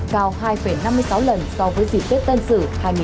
cao hai năm mươi sáu lần so với dịp tết tân sử hai nghìn một mươi một